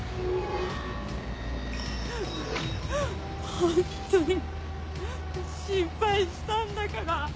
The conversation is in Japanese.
ホントに心配したんだから。